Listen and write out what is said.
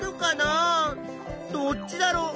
どっちだろう？